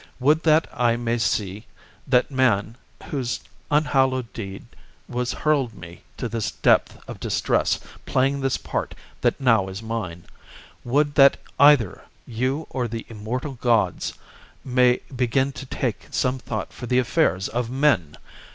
Would that I may see that man whose unhallowed deed has hurled me to this depth of distress playing this part that now is mine. Would that either you or the immortal gods may begin to take some thought for the affairs of men!